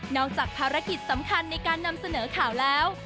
จากภารกิจสำคัญในการนำเสนอข่าวแล้ว